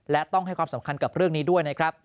และต้องให้ความสำคัญกับเรื่องนี้ด้วยนะครับ